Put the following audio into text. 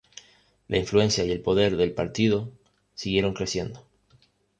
La influencia y el poder del partido siguieron creciendo.